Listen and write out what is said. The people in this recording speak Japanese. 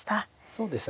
そうですね。